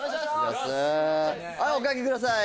はいおかけください